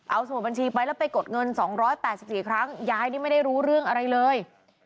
เอาสมุดบัญชีไปแล้วไปกดเงิน๒๘๔ครั้งยายนี่ไม่ได้รู้เรื่องอะไรเลย